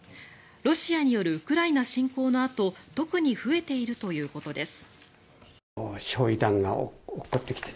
ロシアによるウクライナ侵攻のあと特に増えているということです。